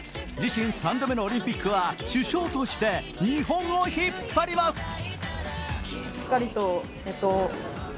自身３度目のオリンピックは主将として日本を引っ張ります。